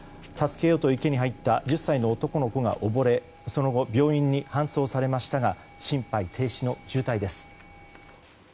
助けようと池に入った１０歳の男の子がおぼれその後、病院に搬送されましたが心肺停止の重体です。